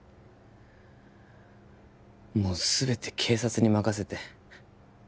もう全て警察に任せて